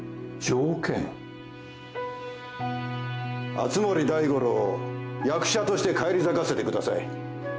熱護大五郎を役者として返り咲かせてください。